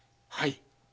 はい。